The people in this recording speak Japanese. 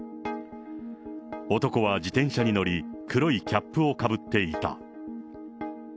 男は自転車に乗り、黒いキャップをかぶっていた。